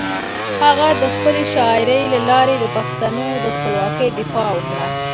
هغه د خپلې شاعري له لارې د پښتنو د خپلواکۍ دفاع وکړه.